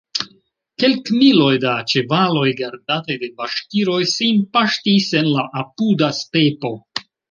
Kelkmiloj da ĉevaloj, gardataj de baŝkiroj, sin paŝtis en la apuda stepo.